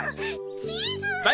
チーズ！